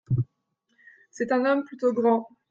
C’est un homme plutôt grand.